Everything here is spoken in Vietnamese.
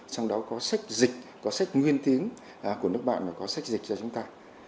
trong đó có sách dịch có sách nguyên tiếng của nước bạn mà có sách dịch cho chúng ta